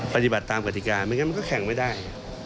ปฏิบัติตามกฎิกาไม่งั้นมันก็แข่งไม่ได้